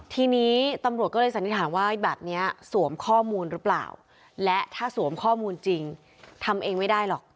ทีนี้ตำรวจก็เลยสันนิษฐานว่าแบบนี้สวมข้อมูลหรือเปล่าและถ้าสวมข้อมูลจริงทำเองไม่ได้หรอก